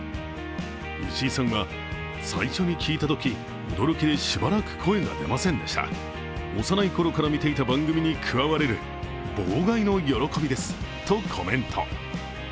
石井さんは、最初に聞いたとき驚きでしばらく声が出ませんでした幼い頃から見ていた番組に加われる、望外の喜びですとコメント。